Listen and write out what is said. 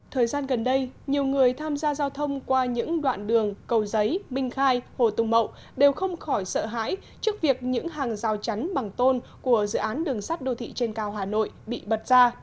thời gian gần đây nhiều người tham gia giao thông qua những đoạn đường cầu giấy minh khai hồ tùng mậu đều không khỏi sợ hãi trước việc những hàng rào chắn bằng tôn của dự án đường sắt đô thị trên cao hà nội bị bật ra